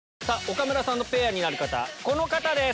岡村さんとペアになる方この方です！